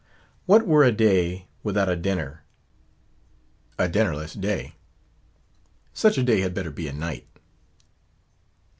What were a day without a dinner? a dinnerless day! such a day had better be a night.